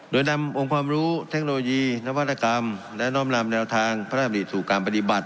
โดยนำองค์ความรู้เทคโนโลยีนวัตกรรมและน้อมนำแนวทางพระราชดำริสู่การปฏิบัติ